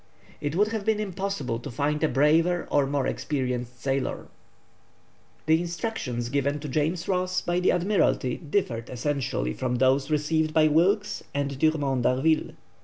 It would have been impossible to find a braver or more experienced sailor. The instructions given to James Ross by the Admiralty differed essentially from those received by Wilkes and Dumont d'Urville.